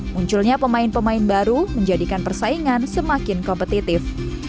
munculnya pemain pemain baru menjadikan persaingan semakin kompetitif